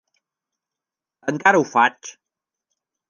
Encara ho faig.